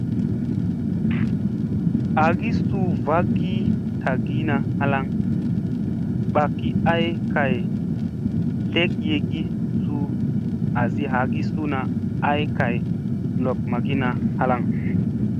Agi suu vagii tagiina halaŋ ɓagi ay kay tlekyegi suu asi hagisuna ay kay lob magina na halaŋ.